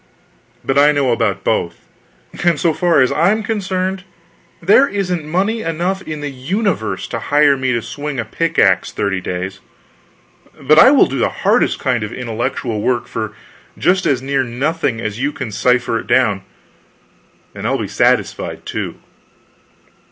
But I know all about both; and so far as I am concerned, there isn't money enough in the universe to hire me to swing a pickaxe thirty days, but I will do the hardest kind of intellectual work for just as near nothing as you can cipher it down and I will be satisfied, too.